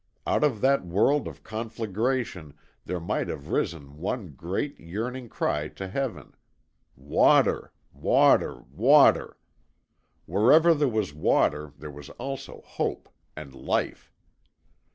Out of that world of conflagration there might have risen one great, yearning cry to heaven: WATER WATER WATER! Wherever there was water there was also hope and life.